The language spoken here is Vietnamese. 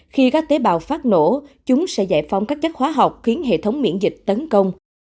khi các tế bào phát nổ chúng sẽ giải phóng các chất hóa học khiến hệ thống miễn dịch tấn công